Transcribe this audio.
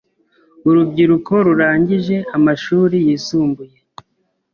Urubyiruko rurangije amashuri yisumbuye;